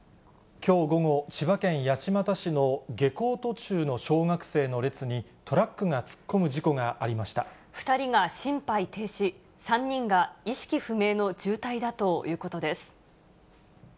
きょう午後、千葉県八街市の下校途中の小学生の列に、トラックが突っ込む事故２人が心肺停止、３人が意識不明の重体だということです。